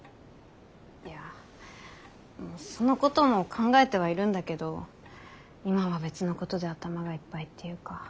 いやそのことも考えてはいるんだけど今は別のことで頭がいっぱいっていうか。